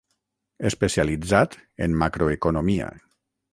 Especialitzat en Macroeconomia.